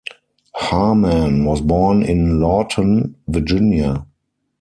Harman was born in Lorton, Virginia.